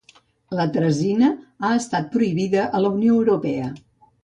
L'atrazina ha estat prohibida a la Unió Europea.